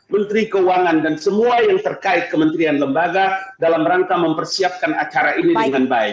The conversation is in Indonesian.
menteri keuangan dan semua yang terkait kementerian lembaga dalam rangka mempersiapkan acara ini dengan baik